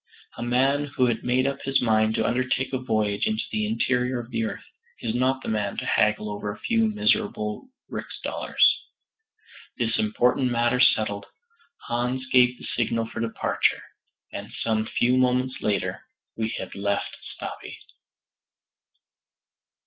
A man who had made up his mind to undertake a voyage into the Interior of the Earth, is not the man to haggle over a few miserable rix dollars. This important matter settled, Hans gave the signal for departure, and some few moments later we had left Stapi.